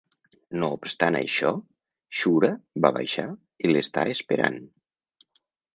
No obstant això, Shura va baixar i l'està esperant.